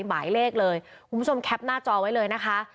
หมายเลขเลยคุณผู้ชมแคปหน้าจอไว้เลยนะคะ